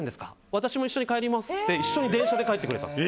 私も一緒に帰りますって一緒に電車で帰ってくれた。